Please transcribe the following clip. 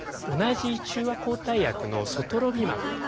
同じ中和抗体薬のソトロビマブ